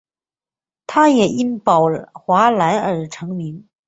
他也因宝华蓝而成名。